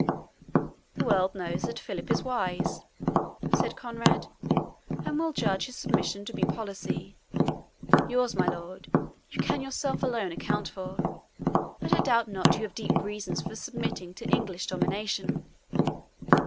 "The world knows that Philip is wise," said Conrade, "and will judge his submission to be policy. Yours, my lord, you can yourself alone account for; but I doubt not you have deep reasons for submitting to English domination."